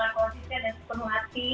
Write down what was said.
kerjaan dengan konsisten dan penuh hati